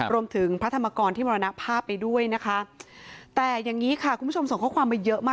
พระธรรมกรที่มรณภาพไปด้วยนะคะแต่อย่างนี้ค่ะคุณผู้ชมส่งข้อความมาเยอะมาก